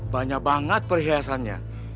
banyak banget perhiasannya